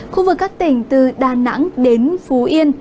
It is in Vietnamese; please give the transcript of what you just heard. khu vực các tỉnh từ đà nẵng đến phú yên